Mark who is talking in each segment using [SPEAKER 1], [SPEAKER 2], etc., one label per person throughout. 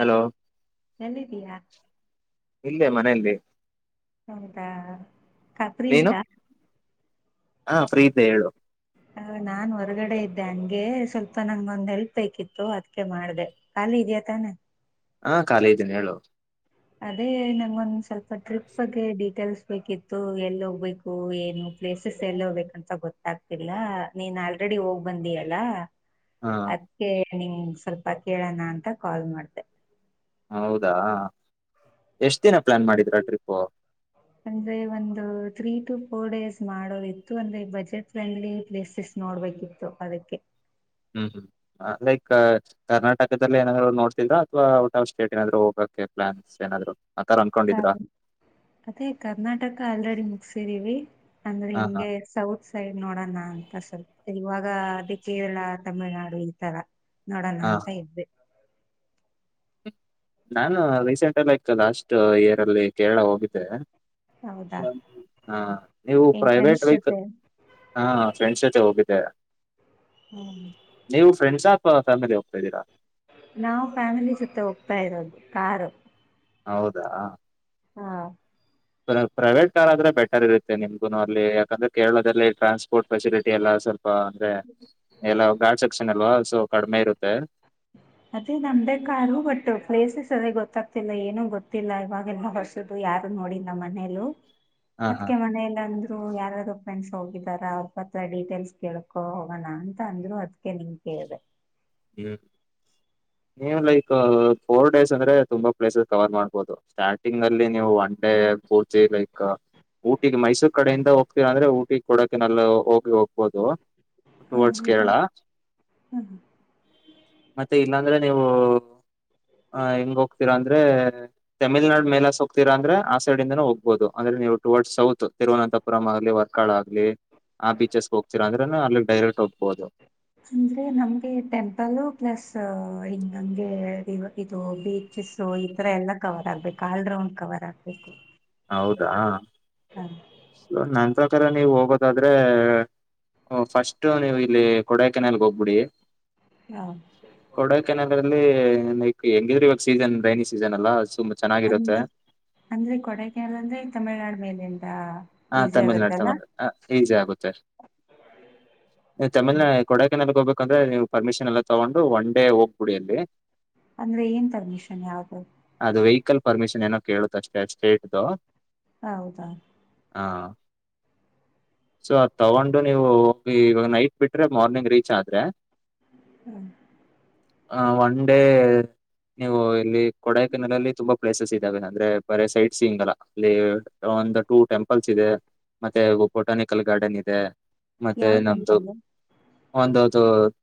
[SPEAKER 1] Hello
[SPEAKER 2] ಎಲ್ಲಿದ್ದೀಯಾ.
[SPEAKER 1] ಇಲ್ಲೇ ಮನೆಯಲ್ಲಿ.
[SPEAKER 2] ಹೌದಾ ಖತ್ರಿ
[SPEAKER 1] ನೀನು
[SPEAKER 2] ಈತ.
[SPEAKER 1] ಹಾ ಫ್ರೀ ಇದ್ದ ಹೇಳು.
[SPEAKER 2] ಹ ನಾನ್ ಹೊರಗಡೆ ಇದ್ದೆ ಹಂಗೆ ಸ್ವಲ್ಪ ನನ್ ಮಂದ್ ಹೆಲ್ಪ್ ಬೇಕಿತ್ತು ಅದ್ಕ ಮಾಡ್ದ. ಕಾಲಿ ಇದೀಯ ತಾನೆ.
[SPEAKER 1] ಹಾ ಖಾಲಿ ಇದ್ದೀನಿ ಹೇಳು.
[SPEAKER 2] ಅದೇ ನಂಗೊಂದ್ ಸ್ವಲ್ಪ ಟ್ರಿಪ್ ಬಗ್ಗೆ ಡೀಟೇಲ್ಸ್ ಬೇಕಿತ್ತು ಎಲ್ಲಿ ಹೋಗ್ಬೇಕು ಏನು. ಪ್ಲೇಸಸ್ ಎಲ್ಲಿ ಹೋಗಬೇಕಂತ ಗೊತ್ತಾಗ್ತಿಲ್ಲ ನೀನ್ ಆಲ್ರೆಡಿ ಹೋಗ್ ಬಂದಿಯಲ್ಲ.
[SPEAKER 1] ಹಾ
[SPEAKER 2] ಅದಕ್ಕೆ ನಿನ್ ಸ್ವಲ್ಪ ಕೇಳಣ ಅಂತ ಕಾಲ್ ಮಾಡ್ದ.
[SPEAKER 1] ಹೌದಾ ಎಷ್ಟ ದಿನ. ಪ್ಲಾನ್ ಮಾಡಿದ್ರ ಟ್ರಿಪ್ಪು.
[SPEAKER 2] ಅಂದ್ರೆ ಒಂದು ತ್ರೀ ಟು ಫೋರ್ ಡೇಸ್ ಮಾಡೋರ್ ಇತ್ತು ಅಂದ್ರೆ ಬಜೆಟ್ ಫ್ರೆಂಡ್ಲಿ ಪ್ಲೇಸಸ್ ನೋಡ್ಬೇಕಿತ್ತು ಅದಕ್ಕೆ.
[SPEAKER 1] ಹ್ಮ್ ಹ್ಮ್ ಲೈಕ್ ಕರ್ನಾಟಕದಲ್ಲಿ ಏನಾದ್ರು ನೋಡ್ತಿದಾ ಅಥವಾ ಔಟ್ ಆಫ್ ಸ್ಟೇಟ್ ಏನಾದ್ರು ಹೋಗಕ್ಕೆೆ. ಪ್ಲಾನ್ಸ್ಏನಾದ್ರು. ಅನ್ಕೊಂಡಿದ್ರಾ.
[SPEAKER 2] ಅದೇ ಕರ್ನಾಟಕ ಆಲ್ರೆಡಿ ಮುಗಸಿದೀವಿ ಅಂದ್ರೆ
[SPEAKER 1] ಹಾ ಹಾ
[SPEAKER 2] ಹಿಂಗೆ ಸೌತ್ ಸೈಡ್. ನೋಡೋಣ ಅಂತ ಸ್ವಲ್ಪ ಇವಾಗ ಅದೇ ಕೇರಳ ತಮಿಳ್ನಾಡು ಈ ತರ. ನೋಡೋಣ
[SPEAKER 1] ಹಾ
[SPEAKER 2] ಅಂತ ಇದ್ದೆ.
[SPEAKER 1] ನಾನು ರೀಸೆಂಟ್ ಲೈಕ್ ಲಾಸ್ಟ್ ಇಯರ್ ಅಲ್ಲಿ ಕೇರಳ ಹೋಗಿದ್ದೆ.
[SPEAKER 2] ಹೌದಾ
[SPEAKER 1] ಹ ನೀವು
[SPEAKER 2] ಏನ್ ಫ್ರೆಂಡ್ಸ್
[SPEAKER 1] ಪ್ರೈವಟ್ ವಹಲ್
[SPEAKER 2] ಜೊತೆ
[SPEAKER 1] ಹ ಫ್ರೆಂಡ್ಶಿ. ಹೋಗಿದ್ದೆ
[SPEAKER 2] ಹ್ಮ್
[SPEAKER 1] ನೀವು ಫ್ರೆಂಡ್ಸ್ ಆತವಾ ಫ್ಯಾಮಿಲಿ ಹೋಗ್ತಾ ಇದಿದ್ದೀರಾ.
[SPEAKER 2] ನಾವು ಫ್ಯಾಮಿಲಿ ಜೊತೆ ಹೋಗ್ತಾ ಇರೋದು ಕಾರು.
[SPEAKER 1] ಹೌದಾ
[SPEAKER 2] ಹಾ.
[SPEAKER 1] ಪ್ರೈವೇಟ್ ಕಾರ್ ಆದ್ರೆ ಬೆಟರ್ ಇತ್ತೆ ನಿಮಗೂ ಅಲ್ಲಿ ಯಾಕಂದ್ರೆ ಕೇರಳದಲ್ಲಿ ಟ್ರಾನ್ಸ್ಪೋರ್ಟ್ ಫೆಸಿಲಿಟಿ ಎಲ್ಲ ಸ್ವಲ್ಪ. ಅಂದ್ರೆ ಎಲ್ಲ ಗಾಡ್ ಸೆಕ್ಷನ್ ಅಲ್ವಾ ಸೊ ಕಡಿಮೆ ಇರುತ್ತೆ.
[SPEAKER 2] ಹ ಅದೇ ನಮ್ದೇ ಕಾರು ಬಟ್ ಪ್ಲೇಸಸ್ ಅದೇ ಗೊತ್ತಾಗ್ತಿಲ್ಲ ಏನೂ ಗೊತ್ತಿಲ್ಲ ಇವಾಗೆಲ್ಲ ಹೊರ್ಸದು ಯಾರ ನೋಡಿಲ್ಲ ಮನೇ
[SPEAKER 1] ಹಾ ಹಾ
[SPEAKER 2] ಅದಕ ಮನಲ್ಲ ಯಾರಾದರು ಫ್ರೆಂಡ್ಸ್ ಹೋಗಿದಾರ ಅವ್ರ ಹತ್ರ ಡೀಟೇಲ್ಸ್ ಕೇಳ್ಕೊ ಹೋಗೋಣ ಅಂತ ಅಂದ್ರು ಅದಕ್ಕೆ ನಿಮಗೆ ಹದ
[SPEAKER 1] ಹ್ಮ ನೀವು್ ಲೈಕ್ ಫೋರ್ ಡೇಸ್ ಅಂದ್ರೆ ತುಂಬಾ ಪ್ಲೇಸಸ್ ಕವರ್ ಮಾಡ್ಬೋದು ಸ್ಟಾರ್ಟಿಂಗ್ ಅಲ್ಲಿ ನೀವು ಅಂದೆ ಪೂರ್ತಿ ಲೈಕ್ಕ ಊಟಿಗೆ ಮೈಸೂರ್ ಕಡೆಯಿಂದ ಹೋಗ್ತೀರ ಅಂದ್ರೆ ಊಟಿ ಕೊಡಕೆ ನಲ್ಲ ಹೋಗಿ ಹೋಗ್ಬೋದು ಟುವರ್ಡ್ಸ್
[SPEAKER 2] ಹೌದಾ
[SPEAKER 1] ಕೇರಳ
[SPEAKER 2] ಹಾ
[SPEAKER 1] ಮತ್ತೆ ಇಲ್ಲಾಂದ್ರೆ ನೀವು ಹ ಹೆಂಗ್ ಹೋಗ್ತೀರಾ ಅಂದ್ರೆ ತಮಿಳ್ನಾಡು ಮೇಲ ಹೋಗ್ತೀರಾ ಅಂದ್ರೆ ಸೈಡ್ಂದ ಹೋಗ್ಬಹುದು ಅಂದ್ರೆ ನೀವು ಟುವವರ್ಡ್ಸ್ ಸೌತ್ ತಿರುವನಂತಪುರಂ ಆಗ್ಲಿ ವರ್ಕಾಳ ಆಗ್ಲಿ ಆ ಬೀಚಸ್ಗೆ ಹೋಗ್ತಿರ ಅಂದ್ರೆನು ಅಲ್ಲಿ ಡೈರೆಕ್ಟ್ ಹೋಗ್ಬೋದು
[SPEAKER 2] ಅಂದ್ರೆ ನಮ್ಗೆ ಟೆಂಪಲ್ ಪ್ಲಸ್ ಹಿಂಗ ಹಂಗೆ ಇದು ಬೀಚಸ್ ಈಥರ ಎಲ್ಲ ಕವರ್ ಆಗ್ಬೇಕು ಆಲ್ ರೌಂಡ್ ಕವರ್ ಆಗ್ಬೇಕು
[SPEAKER 1] ಹೌದಾ
[SPEAKER 2] ಹ
[SPEAKER 1] ಸೊ ನನ್ ಪ್ರಕಾರ ನೀವು ಹೋಗೋದಾದ್ರೆ ಓ ಫಸ್ಟ್ು ನೀವು ಇಲ್ಲಿ ಕೊಡಾಯ ಕೆನ್ಲ್ಗೆ ಹೋಗ್ಬಿಡಿ
[SPEAKER 2] ಅಂದ
[SPEAKER 1] ಕೊಡಕನಗರಲ್ಲಿ ಹೆಂಗಿದ್ರ ಇವಾಗ ಸೀಸನ್ ರೈನಿ ಸೀಸನ್ ಅಲ್ಲ ಸುಮ
[SPEAKER 2] ಅ ಅಂದ್ರೆ ಕೊಡೇಕೇರಲ್ ಅಂದ್ರೆ ತಮಿಳುನಾಡು ಮೇಲೆ
[SPEAKER 1] ಹ ತಮಿಳ್ನಾಡು ತಮಿಳ್ನಾ ಹ ಈಜಿ ಆಗುತ್ತೆ ಚಮಲ್
[SPEAKER 2] ಹ್ಮ್.
[SPEAKER 1] ಕೊಡಕನಲ್ಲಿಗ್ ಹೋಗ್ಬೇಕು ಯಾಕಂದ್ರೆ ನೀವು ಪರ್ಮಿಷನ್ ಎಲ್ಲ ತಗೊಂಡು ಒನ್ ಡೇ ಹೋಗ್ಬಿಡಿ ಅಲ್ಲಿ
[SPEAKER 2] ಅಂದ್ರೆ ಏನ್ ಪರ್ಮಿಷನ್ ಯಾದು
[SPEAKER 1] ಲ್ ಪರ್ಮಿಷನ್ ಏನೋ ಕೇಳುತ್ತ ಅಷ್ಟೇ ಸ್ಟೇಟ್ದು
[SPEAKER 2] ಹೌದಾ
[SPEAKER 1] ಹಾ ಸೊ ಅದು ತಗೊಂಡು ನೀವು ಹೋಗಿ ಇವಾಗ ನೈಟ್ ಬಿಟ್ರೆ ಮಾರ್ನಿಂಗ್ ರೀಚ್ ಆದ್ರೆ
[SPEAKER 2] ಹ್ಮ
[SPEAKER 1] ಹ ಒನ್ ಡೇ ನೀವು ಇಲ್ಲಿ ಕೊಡಾಯಕ ನೆಲಲ್ಲಿ ತುಂಬಾ ಪ್ಲೇಸಸ್ ಇದಾವೆ ಅಂದ್ರೆ ಬೇರೆ ಸೈಟ್ ಸಿಂಗಲ್ಲಲ್ಲಿ ಟೂ ಟೆಂಪಲ್ ಲ್ಸ್ ಇದೆ ಮತ್ತೆ ಬೊಟಾನಿಕಲ್ ಗಾರ್ಡನ್ ಇದೆ
[SPEAKER 2] ಯಾವ ಟೆಂಪಲ್ಲ
[SPEAKER 1] ಒಂದೌದು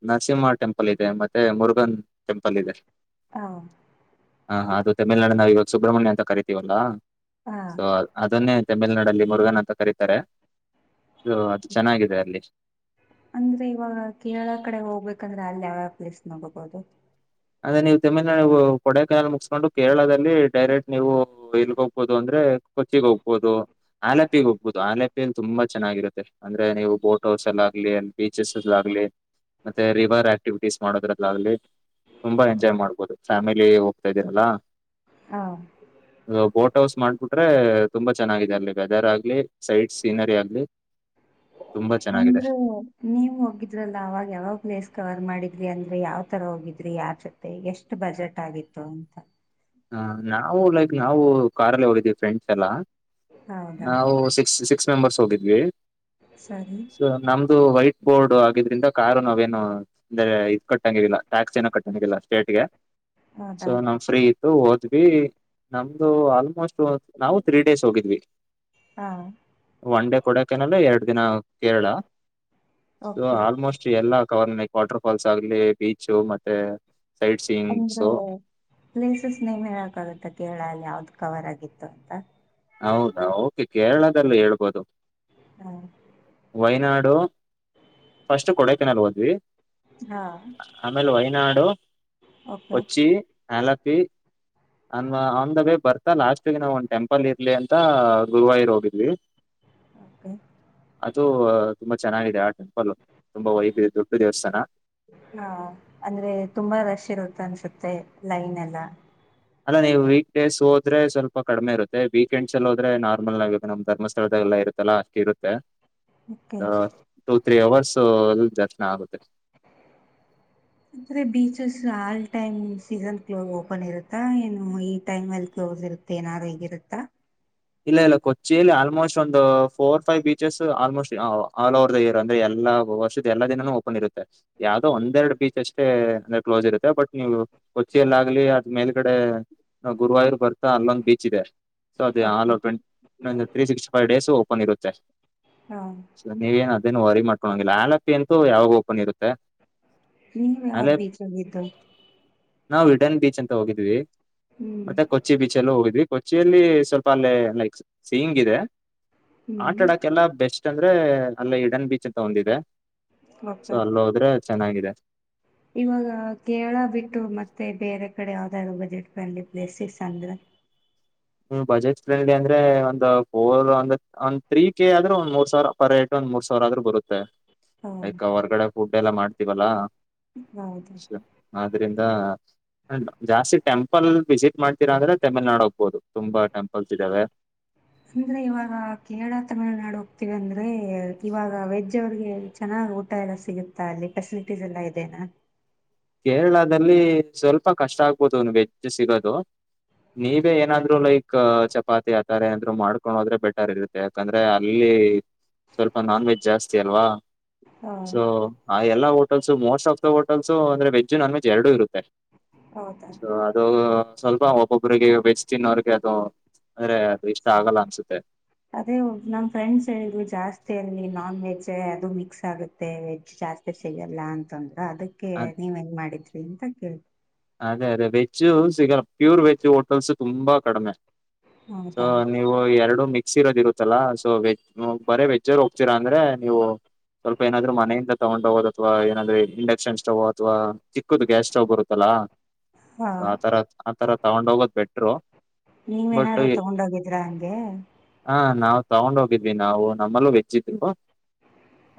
[SPEAKER 1] ನರಸಿಂಹ ಟೆಂಪಲ್ ಇದೆ ಮತ್ತೆ ಮುರುಘನ್ ಟೆಂಪಲ್ ಇದೆ
[SPEAKER 2] ಹ
[SPEAKER 1] ಹ ಅದು ತಮಿಳ್ನಾಡು ನಾವು ಇವಾಗ ಸುಬ್ರಹ್ಮಣ್ಯ ಅಂತ ಕರಿತೀವಲ್ಲ
[SPEAKER 2] ಹ
[SPEAKER 1] ಸೊ ಅದನ್ನೇ ತಮಿಳ್ನಾಡು ಲ್ಲಿ ಮುರುಘನ ಅಂತ ಕರೀತಾರೆ ಅದು ಚೆನ್ನಾಗಿದೆ ಅಲ್ಲಿ
[SPEAKER 2] ಅಂದ್ರೆ ಇವಾಗ ಕೇರಳ ಕಡೆ ಹೋಗ್ಬೇಕಂದ್ರೆ ಅಲ್ಲಿ ಯಾವ್ಯಾವ ಪ್ಲೇಸ್ ನೋಗಬಹುದು
[SPEAKER 1] ಅಂದ್ರೆ ನೀವು ತಮಿಳ್ನಾಡು ಕೊಡಕಾಯಲ್ ಮುಗಸ್ಕೊಂಡು ಕೇರಳದಲ್ಲಿ ಡೈರೆಕ್ಟ್ ನೀವು ಎಲ್ಗ ಹೋಗ್ಬಹುದು ಅಂದ್ರೆ ಕೊಚ್ಚಿಗೌಪುದು ಆಲಪಿಗೆ ಹೋಗ್ಬಹುದು ಆಲಪಿಯಲ್ಲಿ ತುಂಬಾ ಚೆನ್ನಾಗಿರುತ್ತೆ ಅಂದ್ರೆ ನೀವು ಬೋಟ್ ಹೌಸ್ ಎಲ್ಲ ಆಗ್ಲಿ ಬೀಚಸ್ಲ್ಲ ಆಗ್ಲಿ ಮತ್ತೆ ರಿವರ್ ಆಕ್ಟಿವಿಟೀಸ್ ಮಾಡೋದ್ರಲ್ಲ ಆಗಲಿ ತುಂಬಾ ಎಂಜಾಯ್ ಮಾಡ್ಬೋದು ಫ್ಯಾಮಿಲಿ ಹೋಗ್ತಾ ಇದ್ದೀನಲ್ಲಾ
[SPEAKER 2] ಹಾ
[SPEAKER 1] ಹೌಸ್ ಮಾಡ್ಬಿಟ್ರೆ ತುಂಬಾ ಚೆನ್ನಾಗಿದೆ ಅಲ್ಲಿ ವೆದರ್ ಆಗ್ಲಿ ಸೈಡ್ ಸೀನರಿ ಆಗ್ಲಿ ತುಂಬಾ ಚೆನ್ನಾಗಿದೆ
[SPEAKER 2] ಅಂದ್ರೆ ನೀವ ಹೋಗಿದ್ರಲ್ಲ ಅವಾಗ ಯಾವಾಗ್ ಪ್ಲೇಸ್ ಕವರ್ ಮಾಡಿದ ್ರಿ ಅಂದ್ರೆ ಯಾವ್ ತರ ಹೋಗಿದ್ರಿ ಯಾ ಜತೆ ಎಷ್ಟು ಬಜೆಟ್ ಆಗಿತ್ತು ಅಂತ
[SPEAKER 1] ಹ ನಾವು ಲೈಕ್ ನಾವು ಕಾರಲ್ಲ ಹೋಗಿದ್ದೀವಿ ಫ್ರೆಂಡ್ಸ್ ಎಲ್ಲ
[SPEAKER 2] ಹೌದಾ
[SPEAKER 1] ನಾವು ಸಿಕ್ಸ್ ಸಿಕ್ಸ್ ಮೆಂಬರ್ಸ್ ಹೋಗಿದ್ವಿ
[SPEAKER 2] ಸರಿ
[SPEAKER 1] ಸ ನಮ್ದು ವೈಟ್ ಬೋರ್ಡ್ ಆಗಿದ್ರಿಂದ ಕಾರು ನಾವೇನು ಅಂದ್ರೆ ಇದ ಕಟ್ಟಂಗಿಲ್ಲ ಟ್ಯಾಕ್ಸ್ ಏನು ಕಟ್ಟಂಗಿಲ್ಲ ಸ್ಟೇಟ್ಗೆ ಸೊ
[SPEAKER 2] ಹೌದಾ
[SPEAKER 1] ನಮ್ ಫ್ರೀ ಇತ್ತು ಹೋದ್ವಿ ನಮ್ದು ಆಲ್ಮೋಸ್ಟ್ ಸೋ ನಾವು ತ್ರೀ ಡೇಸ್ ಹೋಗಿದ್ವಿ
[SPEAKER 2] ಹಾ
[SPEAKER 1] ಒನ್ ಡೇ ಕೊಡೆಕೆನಲ್ ಎರಡು ದಿನ ಕೇರಳ ಸೊ
[SPEAKER 2] ಓಕೆ
[SPEAKER 1] ಆಲ್ಮೋಸ್ಟ್ ಎಲ್ಲಾ ಕವರ್ನೆಕ್ ವಾಟರ್ ಫಾಲ್ಸ್ ಆಗ್ಲಿ ಬೀಚು ಮತ್ತೆ ಸೈಟ್ ಸೀಯಿಂಗ್ಸು
[SPEAKER 2] ಕ್ವಿಜ್ ನೇಮ್ ಹೇಳಕಾಗುತ್ತೆ ಕೇರಳಲ್ಲಿ ಯಾವ್ದು ಕವರ್ ಆಗಿತ್ತು ಅಂತ
[SPEAKER 1] ಹೌದಾ ಓಕೆ ಕೇರಳದಲ್ಲಿ ಹೇಳ್ಬೋದು
[SPEAKER 2] ಹಾ
[SPEAKER 1] ವೈನಾಡು ಫಸ್ಟ್ ಕೊಡೆಕೆನಲ್ ಹೋದ್ವಿ
[SPEAKER 2] ಹಾ
[SPEAKER 1] ಆಮೇಲೆ ವಯನಾಡು
[SPEAKER 2] ಓಕೆ
[SPEAKER 1] ಕೊಚ್ಚಿ ಹಾಲ ಆನ್ ದ ವೇ ಬರ್ತಾ ಲಾಸ್ಟ್ಗೆ ನಾವು ಒಂದ ಟೆಂಪಲ್ ಟೆಂಪಲ್ ಇರ್ಲಿ ಅಂತ ಗುರುವಾಯರ್ ಹೋಗಿದ್ವಿ
[SPEAKER 2] ಓಕೆ
[SPEAKER 1] ಅದು ತುಂಬಾ ಚೆನ್ನಾಗಿದೆ ಆ ಟೆಂಪಲ್ ತುಂಬಾ ವೈಫಿದೆ ದೊಡ್ ದೇವಸ್ಥಾನ
[SPEAKER 2] ಹಾ ಅಂದ್ರೆ ತುಂಬಾ ರಶ್ ಇರುತ್ತ ಅನ್ಸುತ್ತೆ ಲೈನ್ ಎಲ್ಲಾ
[SPEAKER 1] ಅಲ್ಲ ನೀವು ವೀಕ್ಡೇಸ್ ಹೋದ್ರೆ ಸ್ವಲ್ಪ ಕಡಿಮೆ ಇರುತ್ತೆ ವೀಕೆಂಡ್ಸ್ ಅಲ್ಲಿ ಹೋದ್ರೆ ನಾರ್ಮಲ್ ಆಗುತ್ತೆ ನಮ ಧರ್ಮಸ್ಥಳದ ಲ್ಲ ಇರುತ್ತಲ್ಲ ಅಷ್ಟು ಇರುತ್ತೆ
[SPEAKER 2] ಓಕೆ
[SPEAKER 1] ಟೂ ತ್ರೀ ಅವರ್ಸ್ ದರ್ಶನ ಆಗುತ್ತೆ
[SPEAKER 2] [unintelligible] ಆದೆ beaches all time season ಕ್ಲೋ open ಇರುತ್ತಾ ಏನು ಈ ಟೈಮ್ ಅಲ್ಲಿ ಕ್ಲೋಸ್ ಇರತ ಏನರ್ ಹೇಗಿರುತ್ತಾ
[SPEAKER 1] ಇಲ್ಲ ಇಲ್ಲ ಕೊಚ್ಚಿಯಲ್ಲಿ ಆಲ್ಮೋಸ್ಟ್ ಒಂದು four five beaches almost all over the year ಅಂದ್ರೆ ಎ ಎಲ್ಲ ವರ್ಷದ ಎಲ್ಲಾ ದಿನಾನೂ ಓಪನ್ ಇರುತ್ತೆ ಯಾವದೋ ಒಂದೆರಡು ಬೀಚ್ ಅಷ್ಟೇ ಅಂದ್ರೆ ಕ್ಲೋಸ್ ಇರುತ್ತೆ ಬಟ್ ನೀವು ಕೊಚ್ಚಿಯಲ್ಲಿ ಆಗ್ಲಿ ಅದ್ ಮೇಲ್ ಕಡೆ ಗುರುವಾಯೂರ್ ಬರ್ತಾ ಅಲ್ಲೊಂದ್ ಬೀಚ್ ಇದೆ ಸೊ ಆಲ್
[SPEAKER 2] ಓಕೆ
[SPEAKER 1] ಓಪನ್ ಒಂದ three sixty five days open ಇರುತ್ತೆ
[SPEAKER 2] ಹಾ
[SPEAKER 1] ನೀವೇನ್ ಅದೇನ ವರಿ ಮಾಡ್ಕೊಳಂಗಿಲ್ಲ ಆಲಪಿ ಅಂತೂ ಯಾವಾಗೂ ಓಪನ್ ಇರುತ್ತೆ
[SPEAKER 2] ನೀವ್ ಯಾವ ಬೀಚ್ ಹೋಗಿದು
[SPEAKER 1] ನಾವ ಹಿಡನ್ ಬೀಚ್ ಅಂತ ಹೋಗಿದ್ವಿ
[SPEAKER 2] ಹ್ಮ್
[SPEAKER 1] ಮತ್ತೆ ಕೊಚ್ಚಿ ಬೀಚ್ ಅಲ್ಲು ಹೋಗಿದ್ವಿ ಕೊಚ್ಚಿಯಲ್ಲಿ ಸ್ವಲ್ಪ ಲ್ಲೆ ಲೈಕ್ ಸೀಂಗ್ ಇದೆ ಆಟ
[SPEAKER 2] ಹ್ಮ್
[SPEAKER 1] ಆಡಕೆಲ್ಲ ಬೆಸ್ಟ್ ಅಂದ್ರೆ ಅಲ್ಲಿ ಹಿಡನ್ ಬೀಚ್ ಅಂತ ಒಂದಿದೆ ಸೊ
[SPEAKER 2] ಓಕೆ
[SPEAKER 1] ಅಲ್ಲಿ ಹೋದ್ರೆ ಚೆನ್ನಾಗಿದೆ
[SPEAKER 2] ಇವಾಗ ಕೇರಳ ಬಿಟ್ಟು ಮತ್ತೆ ಬೇರೆ ಈ ಕಡೆ ಯಾವ್ದ ಬಜೆಟ್ ಫ್ರೆಂಡ್ಲಿ ಪ್ಲೇಸ್ ಅಂದ್ರೆ
[SPEAKER 1] ಬಜೆಟ್ ಫ್ರೆಂಡ್ಲಿ ಅಂದ್ರೆ ಒಂದು್ ಫೋರ್ ಒಂದ ಒ ತ್ರೀ ಕೆ ಆದ್ರೆ ಒಂದ್ ಮೂರ್ ಸಾವಿರ ಪರ್ ಹೇಡು ಮೂರ್ ಸಾವಿರ ಆದ್ರೂ ಬರುತ್ತೆ
[SPEAKER 2] ಹ
[SPEAKER 1] ಲೈಕ್ ಹೊರ್ಗಡೆ ಫುಡ್ ಎಲ್ಲಾ ಮಾಡ್ತೀವಲ್ಲಾ
[SPEAKER 2] ಹೌದು
[SPEAKER 1] ಅ್ರಂದ ಜಾಸ್ತಿ ಟೆಂಪಲ್ ವಿಸಿಟ್ ಮಾಡ್ತೀರಾ ಅಂದ್ರೆ ತಮಿಳನಾಡು ಹೋಗಬಹುದು ತುಂಬಾ ಟೆಂಪಲ್ಸ್ ಇದ್ದಾವೆ
[SPEAKER 2] ಅಂದ್ರೆ ಇವಾಗ ಕೇರಳ ತಮಿಳ್ನಾಡು ಹೋಗ್ತಿವಿ ಅಂದ್ರೆ ಇವಾಗ ವೆಜ್ ಅವ್ರಗೆ ಚೆನ್ನಾಗ ಊಟ ಎಲ್ಲಾ ಸಿಗುತ್ತಾ ಅಲ್ಲಿ ಫೆಸಿಲಿಟೀಸ್ ಎಲ್ಲಾ ಇದೇನಾ
[SPEAKER 1] ಕೇರಳದಲ್ಲಿ ಸ್ವಲ್ಪ ಕಷ್ಟ ಆಗ್ಬೋದು ಅಲ್ಲಿ ವೆಜ್ಜ್ ಸಿಗೋದು ನೀವೇ ಏನಾದ್ರು ಲೈಕ್ ಚಪಾತಿ ಆತರ ಏಂದ್ರು ಮಾಡ್ಕೊಂಡು ಹೋದ್ರೆ ಬೆಟರ್ ಇರುತ್ತೆ ಯಾಕಂದ್ರೆ ಅಲ್ಲಿ ಸ್ವಲ್ಪ ನಾನ್ ವೆಜ್ ಜಾಸ್ತಿ ಅಲ್ವಾ
[SPEAKER 2] ಹ
[SPEAKER 1] ಸೊ ಆ ಎಲ್ಲಾ hotels most of the hotels ಅಂದ್ರೆ ವೆಜ್ ನಾನ್ ವೆಜ್ ಎರಡುೂ ಇರುತ್ತೆ
[SPEAKER 2] ಹೌದಾ
[SPEAKER 1] ಸೋ ಅದು ಸ್ವಲ್ಪ ಒಬ್ಬೊಬ್ರಿಗೆ ವೆಜ್ ತಿನ್ನೋರಿಗೆ ಅದು ಅಂದ್ರೆ ಅದು ಇಷ್ಟ ಆಗಲ್ಲ ಅನ್ಸುತ್ತೆ
[SPEAKER 2] ಅದೇ ನಮ್ ಫ್ರೆಂಡ್ಸ್ ಹೇಳಿದ್ರು ಜಾಸ್ತಿ ಅಲ್ಲಿ ನಾನ್ ವೆಜ್ಜ ಅದು ಮಿಕ್ಸ್ ಆಗುತ್ತೆ ವೆಜ್ ಜಾಸ್ತಿ ಸ್ ಸಿಗಲ್ಲ ಅಂತಂದ್ರ ಅದಕ್ಕೆ
[SPEAKER 1] ಅದ್
[SPEAKER 2] ನೀವ್ ಹೆಂಗ ಮಾಡಿದ್ರಿ ಅಂತ ಕೇಳ್ತವಿ
[SPEAKER 1] ಅದೇ ಅದೇ ವೆಜ್ ಸಿಗಲ್ಲ ಪ್ಯೂರ್ ವೆಜ್ ಹೋಟೆಲ್ಸ್ ತುಂಬಾ ಕಡಿಮೆ ಸೊ
[SPEAKER 2] ಹೌದಾ
[SPEAKER 1] ನೀವು ಎರಡು ಮಿಕ್ಸಿ ಇರೋದ ಇರುತ್ತಲ್ಲಾ ಸೊ ವೆಜ್ ಬರೇ ವೆಜ್ಜರ್ ಹೋಗ್ತೀರಾ ಅಂದ್ರೆ ನೀವು ಸ್ವಲ್ಪ ಏನಾದ್ರು ಮನೆಯಿಂದ ತಗೊಂಡ ಹೋಗೋದು ಅಥವಾ ಏನಾದ್ರೆ ಇಂಡಕ್ಷನ್ ಸ್ಟೋ ಅಥ್ವಾ ಚಿಕ್ಕದು ಗ್ಯಾಸ್ ಸ್ಟೌವ್ ಬರುತ್ತಲ್ಲಾ
[SPEAKER 2] ಹಾ
[SPEAKER 1] ಆತರಾ ಆತರಾ ತಗೊಂಡ್ ಹೋಗೋದ್ ಬೆಟ್ಟ.
[SPEAKER 2] ನೀವೇನಾರು ತಗೊಂಡೋಗಿದ್ರಾ ಹಂಗೆ.
[SPEAKER 1] ಹ ನಾವ್ ತಗೊಂಡ್ ಹೋಗಿದ್ವಿ ನಾವು ನಮ್ಮಲ್ಲೂ ವೆಜ್ಜಿದ್ರು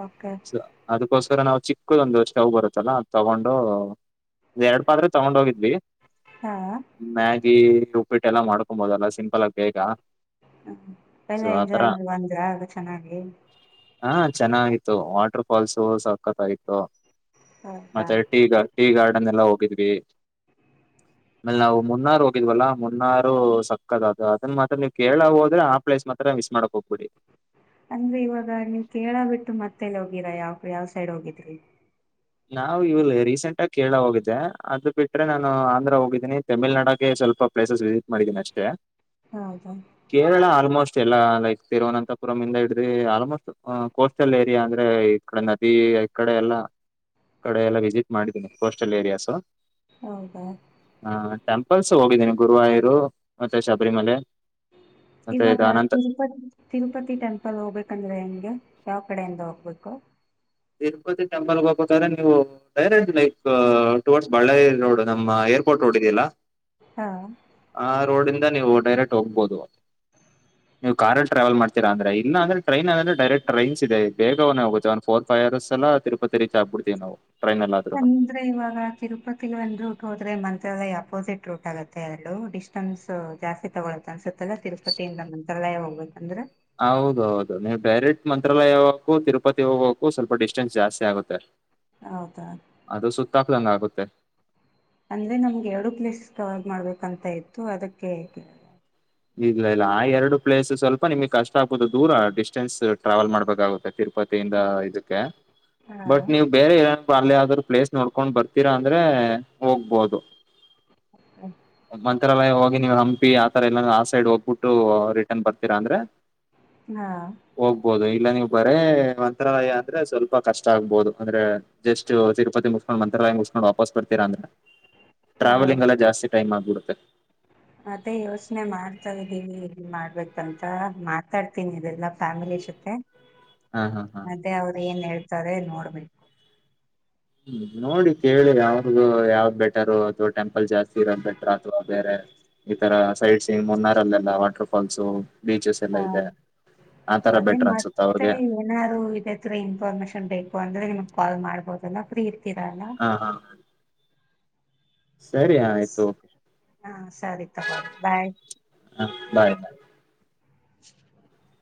[SPEAKER 2] ಓಕೆ
[SPEAKER 1] ಅದೋಕೊ. ತರಾ ನಾವು ಚಿಕ್ಕದ್ ಒಂದ್ ಸ್ಟೌವ್ ಬರುತ್ತಲ್ಲಾ ಅದ್ ತಗೊಂಡು ಎರಡ್ ಪಾತ್ರೆ ತಗೊಂಡ್ ಹೋಗಿದ್ವಿ.
[SPEAKER 2] ಹಾ.
[SPEAKER 1] ಗಿ ಉಪ್ಪಿಟ್ಟೆಲ್ಲ ಮಾಡ್ಕೊಂಬೋದೆಲ್ಲಾ ಸಿಂಪಲ್ ಆಗಿ ಬೇಗಾ.
[SPEAKER 2] ಟ್ರಿಪೆಲ್ಲಾ ಎಂಜಾಯ್ ಮಾಡ ಬಂದ್ರಾ ಚೆನ್ನಾಗಿ.
[SPEAKER 1] ಹಾ ಚೆನ್ನಾಗಿತ್ತು ವಾಟರ್ ಫಾಲ್ಸು ಸಖತ್ತಾಗಿತ್ತು
[SPEAKER 2] ಹೌದಾ
[SPEAKER 1] ಮತ್ತೆ ಟೀ ಗಾ. ನ್ನೆಲ್ಲ ಹೋಗಿದ್ವಿ.
[SPEAKER 2] [inaudible]
[SPEAKER 1] ಆಮೇಲ್ ನಾವು ಮುನ್ನಾರು ಹೋಗಿದ್ವಲ್ಲಾ ಮುನ್ನಾರು ಸಕ್ಕತ್ ಅದ ಅದನ್ನ ಮಾತ್ರ ನೀವು ಕೇರಳಾ ಹೋದ್ರೆ ಆ ಪ್ಲೇಸ್ ಮಾತ್ರ. ಮಿಸ್ ಮಾಡಕ್ ಹೋಗ್ಬೇಡಿ.
[SPEAKER 2] ಅಂದ್ರೆ ಇವಾಗಾ ನೀವ್ ಕೇರಳಾ ಬಿಟ್ಟು ಮತ್ತೇಲ್ಲಿ ಹೋಗಿರಾ ಯಾವ ಯಾವ್ ಸೈಡ್ ಹೋಗಿದ್ರಿ.
[SPEAKER 1] ನಾವು ಇವಲ್ಲಿ ರೀಸೆಂಟ್ ಆಗಿ ಕೇರಳಾ ಹೋಗಿದ್ದೆ ಅದ ಬಿಟ್ರೆ ನಾನು ಆಂಧ್ರ ಹೋಗಿದ್ದೀನಿ ತಮಿಳ್ನಾಡಾಗ. ಸ್ವಲ್ಪ ಪ್ಲೇಸಸ್ ವಿಸಿಟ್ ಮಾಡಿದೀನಿ ಅಷ್ಟೇ
[SPEAKER 2] ಹೌದಾ
[SPEAKER 1] ಕೇರಳಾ ಆಲ್ಮೋಸ್ಟ್ ಎಲ್ಲಾ. ಲೈಕ್ ತಿರುವನಂತಪುರಂ ಇಂದ ಹಿಡ್ದಿ ಆಲ್ಮೋಸ್ಟ್ ಕೋಸ್ಟಲ್ ಏರಿಯಾ ಅಂದ್ರೆ ಈ ಕಡೆ ನದಿ ಈ ಕಡೆ ಎಲ್ಲಾ. ಕಡೆ ಎಲ್ಲಾ ವಿಸಿಟ್ ಮಾಡಿದ್ದೀನಿ ಕೋಸ್ಟಲ್ ಏರಿಯಾಸು.
[SPEAKER 2] ಹೌದಾ.
[SPEAKER 1] ಹಾ ಟೆಂಪಲ್ಸ್ ಹೋಗಿದೀನಿ ಗುರುವಾಯರು ಮತ್ತೆ ಶಬರಿಮಲೆ. ಮತ್ತೆ ಇದು
[SPEAKER 2] ಈವಾಗಾ
[SPEAKER 1] ಅನಂತ
[SPEAKER 2] ತಿರುಪತಿ ತಿರುಪತಿ ಟೆಂಪಲ್ ಹೋಗ್ಬೇಕಂದ್ರೆ ಹೆಂಗೆ. ಯಾವ್ ಕಡೆಯಿಂದ ಹೋಗ್ಬೇಕು.
[SPEAKER 1] ತಿರುಪತಿ ಟೆಂಪಲ್ಗೋಬೇಕಾದ್ರೆ ನೀವು direct like towards Ballari road ನಮ್ಮ ಏರ್. ಕೋರ್ಟ್ ರೋಡ್ ಇದೆಯಲ್ಲಾ
[SPEAKER 2] ಹಾ
[SPEAKER 1] ಆ ರೋಡಿಂದಾ ನೀವು ಡೈರೆಕ್ಟ್ ಹೋಗ್ಬೋದು. ನೀವ್ ಕಾರಲ್ ಟ್ರಾವೆಲ್ ಮಾಡ್ತೀರಾ ಅಂದ್ರೆ ಇನ್ನ ಅಂದ್ರೆ ಟ್ರೈನ್ ಅಂದ್ರೆ ಡೈರೆಕ್ಟ್ರೈನ್ಸ್ ಇದೆ ಬೇಗನೆಹೋಗುತ್ತೆ ಒಂದ್ ಫೋರ್. ಫೈರಸ್ ಎಲ್ಲಾ ತಿರುಪತಿ ರೀಚ್ ಆಗಬಿಡ್ತೀವ್ ನಾವು. ಟ್ರೈನ್ ಅಲ್ಲಿ ಆದ್ರೂನು
[SPEAKER 2] ಅಂದ್ರೆ ಇವಾಗಾ ತಿರುಪತಿಗ ಒಂದ್ರುಟ್ ಹೋದ್ರೆ ಮನ್. ತ್ರಾಲಯ ಅಪೋಸಿಟ್ ರೂಟ್ ಆಗುತ್ತೆ ಎರಡು ಡಿಸ್ಟೆನ್ಸ್ ಜಾಸ್ತಿ ತಗೊಳ್ಳತ್ತ ಅನ್ಸುತ್ತಲ್ಲ ತಿರುಪತಿಯಿಂದ ಮಂತ್ರಾಲಯ್. ತ್ರಾಲಯಾ ಹೋಗ್ಬೇಕ್ ಅಂದ್ರೆ.
[SPEAKER 1] ಹೌದು ಹೌದು ನೀವ್ ಡೈರೆಕ್ಟ್ ಮಂತ್ರಾಲಯಾ ಹೋಗಕ್ಕು ತಿರುಪತಿ ಹೋಗಕು ಸ್ವಲ್ಪ ಡಿಸ್ಟೆನ್ಸ್ ಜಾಸ್ತಿ ಆಗುತ್ತೆ.
[SPEAKER 2] ಹೌದಾ.
[SPEAKER 1] ದಂಗ ಆಗುತ್ತೆ.
[SPEAKER 2] ಅಂದ್ರೆ ನಮ್ಗೆ ಎರಡು ಪ್ಲೇಸ್ ಕವರ್ ಮಾಡ್ಬೇಕಂತ ಇತ್ತು ಅದಕ್ಕೆ ಕೇಳ್ದೆ.
[SPEAKER 1] ಇಲ್ಲ ಇಲ್ಲಾ ಆ ಎರಡು ಪ್ಲೇಸ್ ಸ್ವಲ್ಪ ನಿಮ್ಗ್ ಕಷ್ಟಾ ಆಗ್ಬೋುದು ದೂರಾ ಡಿಸ್ಟೆನ್ಸ್ ಟ್ರಾವೆಲ್ ಮಾಡ್ಬೇಕಾಗುತ್ತೆ ತಿರು. ಪತಿಯಿಂದ ಇದಕ್ಕೆ
[SPEAKER 2] ಹಾ
[SPEAKER 1] ಬಟ್ ನೀವು ಬೇರೆ ಏನಾ. ಅಲ್ಲೇ ಯಾವ್ದಾರು ಪ್ಲೇಸ್ ನೋಡ್ಕೊಂಡ್ ಬರ್ತೀರಾ ಅಂದ್ರೆ ಹೋಗ್ಬೋದು. ಮಂತ್ರಾಲಯ ಹೋಗಿ ನೀವು ಹಂಪಿ ಆತರ ಎಲ್ಲಾ ಆ ಸೈಡ್ ಹೋಗ್. ಬುಟ್ಟು ರಿಟರ್ನ್ ಬರ್ತೀರಾ ಅಂದ್ರೆ
[SPEAKER 2] ಹಾ
[SPEAKER 1] ಹೋಗ್ಬೋುದು ಇಲ್ಲಾ ನೀವು. ಬರೇ ಮಂತ್ರಾಲಯಾ ಅಂದ್ರೆ ಸ್ವಲ್ಪ ಕಷ್ಟಾ ಆಗ್ಬಹುದು ಅಂದ್ರೆ ಜಸ್ಟ್ ತಿರುಪತಿ ಮುಗಸ್ಕೊಂಡ ಮಂತ್ರಾಲಯ ಮುಗಸ್ಕೊಂಡ್. ಕೊಂಡ್ ವಾಪಸ್ ಬರ್ತೀರಾ ಅಂದ್ರೆ
[SPEAKER 2] ಹ
[SPEAKER 1] ಟ್ರಾವೆಲಿಂಗ್ ಎಲ್ಲಾ ಜಾಸ್ತಿ ಟೈಮ್ ಆಗ್ಬಿಡುತ್ತೆ.
[SPEAKER 2] ಅದೇ ಯೋಚ್ನೆ ಮಾಡ್ತಾ ಇದೀನಿ ಏನ್ ಮಾಡ್ಬೇಕಂತಾ ಮಾತಾಡ್ತೀನಿ ಇದೆಲ್ಲಾ ಫ್ಯಾಮಿಲಿ. ಜೊತೆ
[SPEAKER 1] ಹಾ ಹಾ ಹಾ
[SPEAKER 2] ಮತ್ತೆ ಅವರೇನ್ ಹೇಳ್ತಾರೆ ನೋಡ್ಬೇಕು.
[SPEAKER 1] ಹ್ಮ್ ನೋಡಿ ಕೇಳಿ ಅವ್ರಗೂ ಯಾವ್ದ್ ಬೆಟ್ಟರೂ ಅಥವಾ ಟೆಂಪಲ್ ಜಾಸ್ತಿ ಇರೋದ್ ಬೆಟ್ರಾ ಅಥವಾ ಬೇರೆ. ಈ ತರಾ ಸೈಟ್ ಸೀಂಗ್ ಮುನ್ನಾರಲ್ಲೆಲ್ಲಾ ವಾಟರ್ಫಾಲ್ಸೂ ಬೀಚಸ್
[SPEAKER 2] ಹ
[SPEAKER 1] ಎಲ್ಲಾ ಇದೆ. ಆತರ
[SPEAKER 2] ಅದೇ
[SPEAKER 1] ಬೆಟರ್ ಅನ್ಸುತ್ತ
[SPEAKER 2] ಮತ್ತೆ
[SPEAKER 1] ಅವ್ರಿಗೆ
[SPEAKER 2] ಏನಾರು ಇದೇತ್ರರ ಇನ್ಫಾರ್ಮೇಶನ್ ಬೇಕು ಅಂದ್ರ ನಿಮಗ್. ಕ್ವಾಲ್ ಮಾಡ್ಬೋದಲ್ಲಾ ಫ್ರೀ ಇರ್ತೀರಾ ಅಲ್ಲಾ.
[SPEAKER 1] ಹ ಹಾ ಸರಿ ಆಯ್ತು.
[SPEAKER 2] ಹಾ ಸರಿ ತಗೊಳಿ ಬಾಯ್.
[SPEAKER 1] ಹ ಬಾಯ್
[SPEAKER 2] [inaudible]